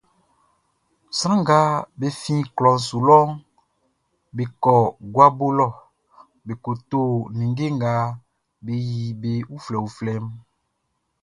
Sran nga be fin klɔʼn su lɔʼn, be kɔ guabo lɔ be ko to ninnge nga be yili be uflɛuflɛʼn.